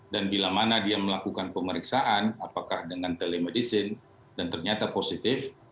dan bila mana dia melakukan pemeriksaan apakah dengan telemedicine dan ternyata positif